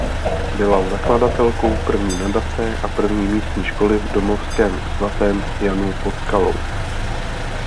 Byla zakladatelkou první nadace a první místní školy v domovském Svatém Janu pod Skalou.